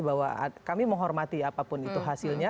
bahwa kami menghormati apapun itu hasilnya